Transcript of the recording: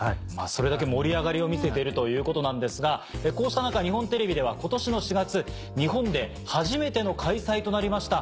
それだけ盛り上がりを見せているということなんですがこうした中日本テレビでは今年の４月日本で初めての開催となりました